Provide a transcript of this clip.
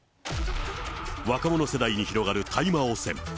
若者世代に広がる大麻汚染。